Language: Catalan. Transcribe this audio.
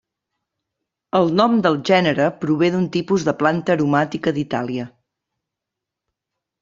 El nom del gènere prové d'un tipus de planta aromàtica d'Itàlia.